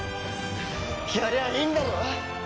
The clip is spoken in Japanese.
やりゃあいいんだろ？